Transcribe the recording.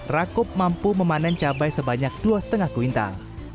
rakup mampu memanen cabai sebanyak dua lima kuintal